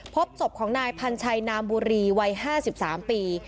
พบศพของนายพันชัยนามบุรีวัย๕๓ปี